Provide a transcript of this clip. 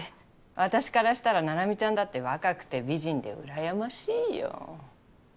私からしたら菜々美ちゃんだって若くて美人で羨ましいよ。